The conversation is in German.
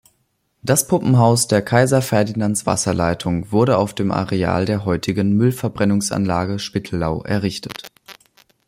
Das Pumpenhaus der Kaiser-Ferdinands-Wasserleitung wurde auf dem Areal der heutigen Müllverbrennungsanlage Spittelau errichtet.